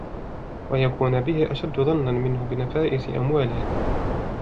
وَيَكُونَ بِهِ أَشَدَّ ضَنًّا مِنْهُ بِنَفَائِسِ أَمْوَالِهِ